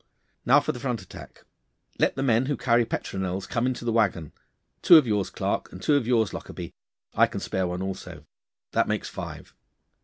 Now for the front attack. Let the men who carry petronels come into the waggon. Two of yours, Clarke, and two of yours, Lockarby. I can spare one also. That makes five.